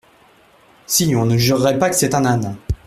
Si on ne jurerait pas que c'est un âne !